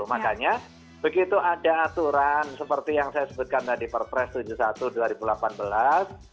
makanya begitu ada aturan seperti yang saya sebutkan tadi perpres tujuh puluh satu dua ribu delapan belas